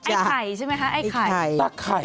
ไอ้ไข่ใช่ไหมคะไอ้ไข่ตะไข่